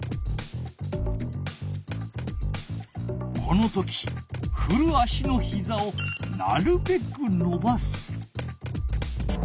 この時ふる足のひざをなるべくのばす。